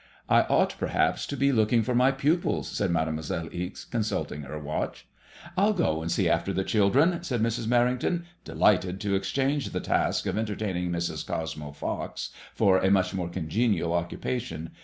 I ought, perhaps, to be look ing for my pupils/' said Made moiselle Ixe, consulting her watch. I'll go and see after the children," said Mrs. Merring^on, delighted to exchange the task of entertaining Mrs. Cosmo Fox for a much more congenial occupa tion.